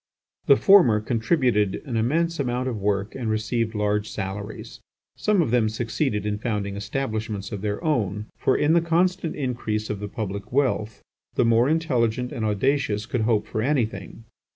The former contributed an immense amount of work and received large salaries. Some of them succeeded in founding establishments of their own; for in the constant increase of the public wealth the more intelligent and audacious could hope for anything.